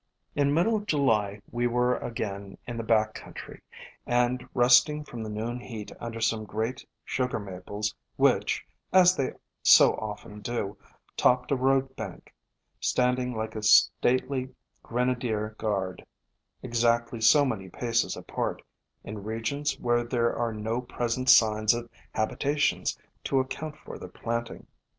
In middle July we were again in the back country, and resting from the noon heat under some great Sugar Maples which, as they so often do, topped a road bank, standing like a stately grenadier guard, exactly so many paces apart, in regions where there 228 FLOWERS OF THE SUN are no present signs of habitations to account for their planting.